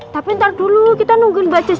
tapi ntar dulu kita nungguin mbak jess